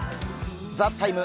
「ＴＨＥＴＩＭＥ，」